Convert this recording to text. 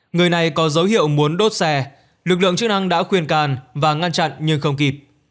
người này có dấu hiệu muốn đốt xe lực lượng chức năng đã khuyên càn và ngăn chặn nhưng không kịp